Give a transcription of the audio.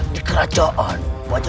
di kerajaan wajahjaran